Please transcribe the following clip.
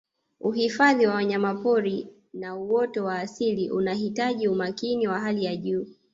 Uhifadhi wa wanyapori na uoto wa asili unahitaji umakini wa hali ya juu